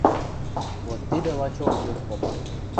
– Вот тидӹ лачок тӧр попа...